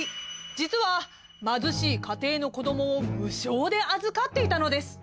実は貧しい家庭の子どもを無償で預かっていたのです。